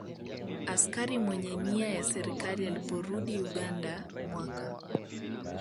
Askari Mwenye Nia ya Serikali Aliporudi Uganda mwaka